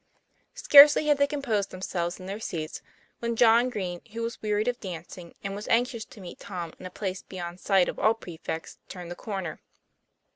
Scarcely had they composed themselves in their seats, when John Green, who was wearied of dancing, and was anxious to meet Tom in a place beyond sight of all prefects, turned the corner.